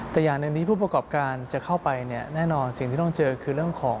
แต่อย่างหนึ่งที่ผู้ประกอบการจะเข้าไปสิ่งที่เราต้องเจอคือเล่นของ